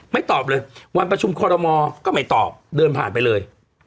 ตอบเลยวันประชุมคอรมอก็ไม่ตอบเดินผ่านไปเลย